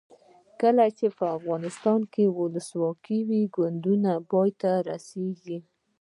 کله چې افغانستان کې ولسواکي وي کونډو ته پام کیږي.